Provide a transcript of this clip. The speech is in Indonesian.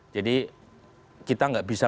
jadi kita gak bisa